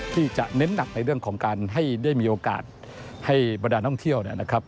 ที่จะเน้นหนักในเรื่องของการให้ได้มีโอกาสให้บรรดาท่องเที่ยวเนี่ยนะครับ